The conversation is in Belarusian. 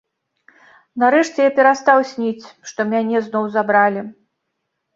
Нарэшце я перастаў сніць, што мяне зноў забралі.